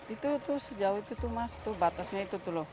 itu sejauh itu tuh mas batasnya itu tuh loh